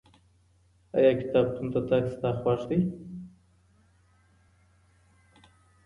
ايا کتابتون ته تګ ستا خوښ دی؟